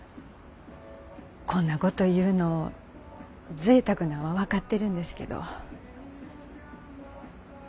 こんなこと言うのぜいたくなんは分かってるんですけど。